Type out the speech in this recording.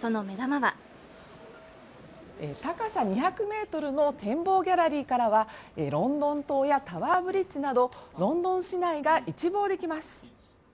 その目玉は高さ２００ｍの展望ギャラリーからはロンドン塔やタワーブリッジなどロンドン市内が一望できます。